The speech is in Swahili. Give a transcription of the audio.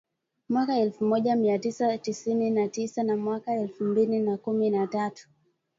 mwaka elfu moja mia tisa tisini na tisa na mwaka elfu mbili na kumi na tatu